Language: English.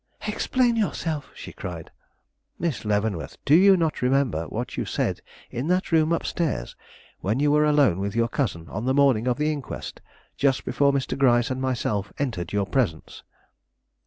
"Explain yourself!" she cried. "Miss Leavenworth, do you not remember what you said in that room up stairs, when you were alone with your cousin on the morning of the inquest, just before Mr. Gryce and myself entered your presence?"